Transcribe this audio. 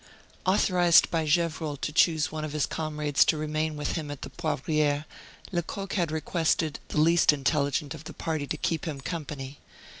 Authorized by Gevrol to choose one of his comrades to remain with him at the Poivriere, Lecoq had requested the least intelligent of the party to keep him company.